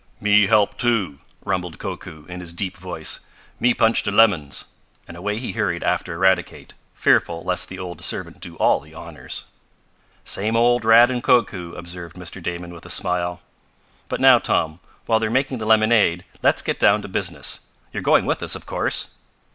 "Me help, too!" rumbled Koku, in his deep voice. "Me punch de lemons!" and away he hurried after Eradicate, fearful lest the old servant do all the honors. "Same old Rad and Koku," observed Mr. Damon with a smile. "But now, Tom, while they're making the lemonade, let's get down to business. You're going with us, of course!"